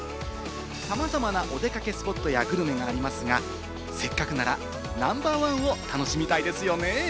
さまざまなお出かけスポットやグルメがありますが、せっかくならナンバー１を楽しみたいですよね。